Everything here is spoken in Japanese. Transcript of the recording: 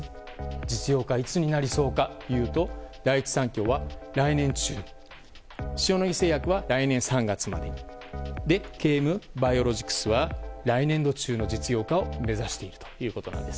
実用化はいつになりそうかというと第一三共は来年中塩野義製薬は来年３月までＫＭバイオロジクスは来年度中の実用化を目指しているということです。